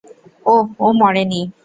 ওহ, ও মরেনি।